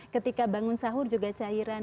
ketika bangun sahur juga cairan